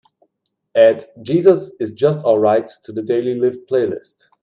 Add jesus is just alright to the Daily Lift playlist.